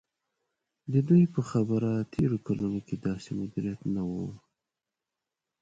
د دوی په خبره تېرو کلونو کې داسې مدیریت نه و.